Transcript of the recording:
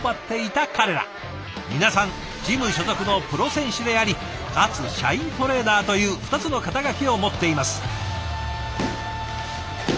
皆さんジム所属のプロ選手でありかつ社員トレーナーという２つの肩書を持っています。